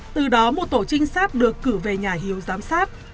từ đó một tổ trinh sát được cử về nhà hiếu giám sát